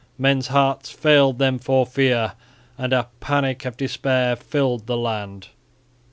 Men's hearts failed them for fear, and a panic of despair filled the land.